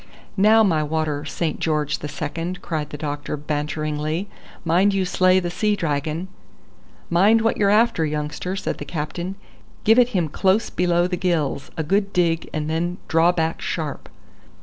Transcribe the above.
"Now my water Saint George the Second," cried the doctor banteringly; "mind you slay the sea dragon." "Mind what you're after, youngster," said the captain. "Give it him close below the gills; a good dig and then draw back sharp."